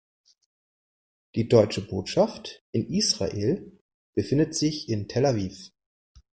Die Deutsche Botschaft in Israel befindet sich in Tel Aviv.